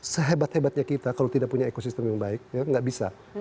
sehebat hebatnya kita kalau tidak punya ekosistem yang baik ya nggak bisa